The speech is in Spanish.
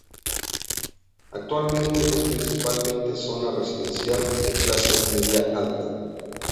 Actualmente es principalmente zona residencial de clase media-alta.